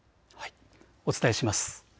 お伝えします。